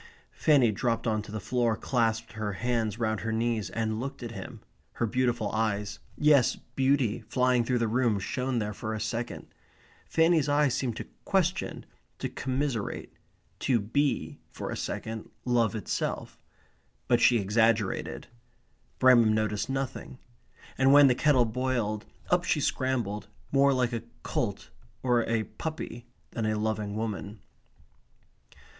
Fanny dropped on to the floor, clasped her hands round her knees, and looked at him, her beautiful eyes yes, beauty, flying through the room, shone there for a second. Fanny's eyes seemed to question, to commiserate, to be, for a second, love itself. But she exaggerated. Bramham noticed nothing. And when the kettle boiled, up she scrambled, more like a colt or a puppy than a loving woman.